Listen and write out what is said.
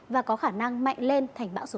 và có khả năng mạnh lên thành bão số sáu